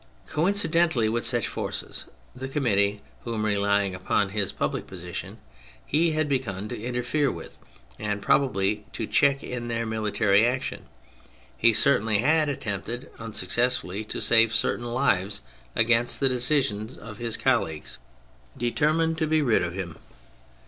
Coincidently with such forces, the Commit tee, whom, relying upon his public position, he had begun to interfere with, and probably to check in their military action (he certainly had attempted unsuccessfully to save certain lives against the decision of his colleagues), THE PHASES 141 determined to be rid of him.